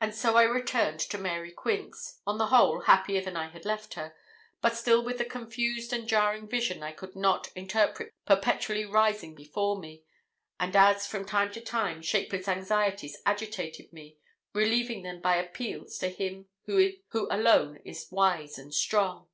And so I returned to Mary Quince, on the whole happier than I had left her, but still with the confused and jarring vision I could not interpret perpetually rising before me; and as, from time to time, shapeless anxieties agitated me, relieving them by appeals to Him who alone is wise and strong.